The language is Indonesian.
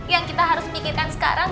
yang kita harus pikirkan sekarang